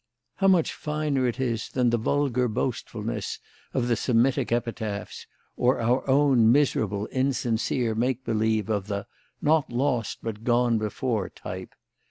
How much finer it is than the vulgar boastfulness of the Semitic epitaphs, or our own miserable, insincere make believe of the 'Not lost but gone before' type.